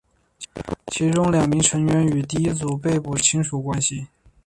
其中两名成员与第一组被捕成员有亲属关系。